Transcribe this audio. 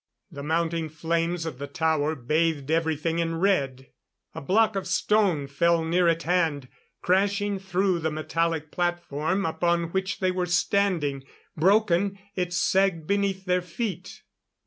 The mounting flames of the tower bathed everything in red. A block of stone fell near at hand, crashing through the metallic platform upon which they were standing. Broken, it sagged beneath their feet.